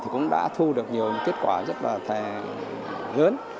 cũng đã thu được nhiều kết quả rất là lớn